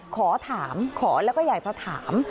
ขอถามขอแล้วก็อยากจะถาม